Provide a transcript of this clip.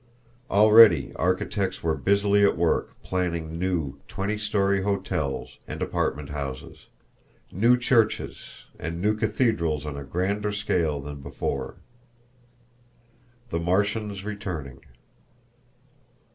Already architects were busily at work planning new twenty story hotels and apartment houses; new churches and new cathedrals on a grander scale than before. The Martians Returning.